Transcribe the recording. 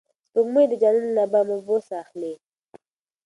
سپوږمۍ د جانان له بامه بوسه اخلي.